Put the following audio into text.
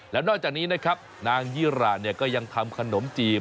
แล้วนอกจากนี้นะครับนางยี่ราก็ยังทำขนมจีบ